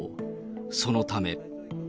そのため。